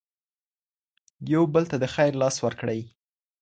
يو بل ته د خير لاس ورکړئ.